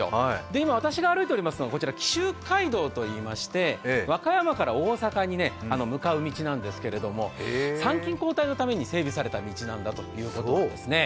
今、私が歩いておりますのが紀州街道といいまして和歌山から大阪に向かう道なんですけど、参勤交代のために整備された道なんだそうです。